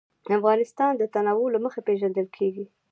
افغانستان د تنوع له مخې پېژندل کېږي.